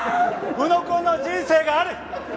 浮野くんの人生がある！